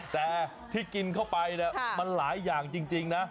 แต่ที่กินเข้าไปเนี่ยมันหลายอย่างจริงนะ